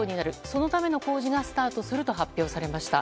そのための工事がスタートすると発表されました。